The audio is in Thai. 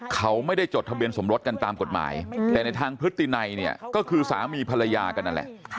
เขาไม่ได้จดทะเบียนสมรสกันตามกฎหมายแต่ในทางพฤตินัยเนี่ยก็คือสามีภรรยากันนั่นแหละ